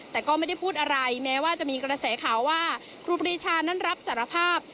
แต่ก็ไม่ได้พูดอะไรแม้ว่าจะมีกระแสข่าวว่าครูปรีชานั้นรับสารภาพ